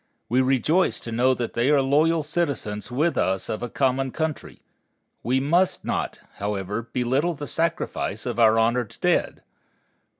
We rejoice to know that they are loyal citizens with us of a common country. We must not, however, belittle the sacrifice of our honored dead.